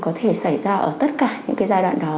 có thể xảy ra ở tất cả những cái giai đoạn đó